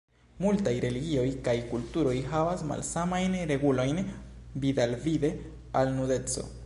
Multaj religioj kaj kulturoj havas malsamajn regulojn vidalvide al nudeco.